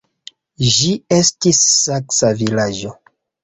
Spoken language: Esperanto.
Ĝi estis saksa vilaĝo.